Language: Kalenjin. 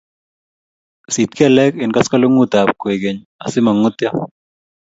sit kelek eng' koskoleng'utab kwekeny asima ng'uto